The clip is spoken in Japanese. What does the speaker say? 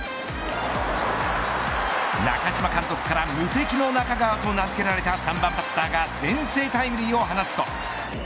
中嶋監督から無敵の中川と名付けられた３番バッターが先制タイムリーを放つと。